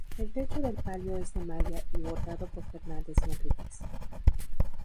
El techo del palio es de malla y bordado por Fernández y Enríquez.